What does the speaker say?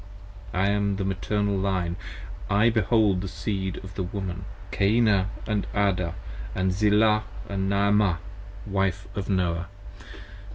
I see the Maternal Line, I behold the Seed of the Woman: Cainah & Ada & Zillah & Naamah, Wife of Noah.